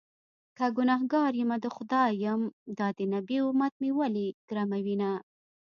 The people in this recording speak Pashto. که ګنهکار يمه د خدای یم- دا د نبي امت مې ولې ګرموینه